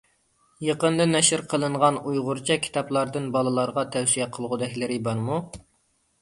يېقىندا نەشر قىلىنغان ئۇيغۇرچە كىتابلاردىن بالىلارغا تەۋسىيە قىلغۇدەكلىرى بارمۇ؟